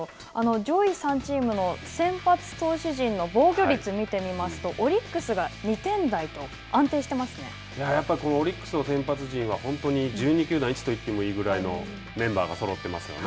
上位３チームの先発投手陣の防御率を見てみますとオリックスが２やっぱりオリックスの先発陣は本当に１２球団一と言ってもいいぐらいのメンバーがそろってます